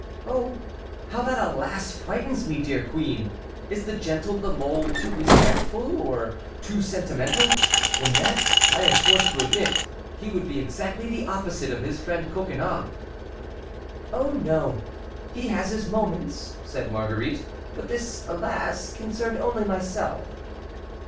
"Oh, how that 'alas!' frightens me, dear queen! Is the gentle La Mole too respectful or too sentimental? In that, I am forced to admit he would be exactly the opposite of his friend Coconnas." "Oh, no, he has his moments," said Marguerite, "but this 'alas!' concerned only myself."